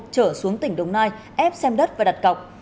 trở xuống tỉnh đồng nai ép xem đất và đặt cọc